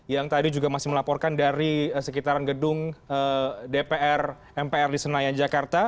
yang tadi juga masih melaporkan dari sekitaran gedung dpr mpr di senayan jakarta